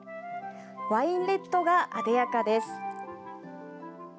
ワインレッドがあでやかです。